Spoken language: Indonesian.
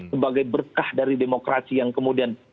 sebagai berkah dari demokrasi yang kemudian bisa dikapitalisasi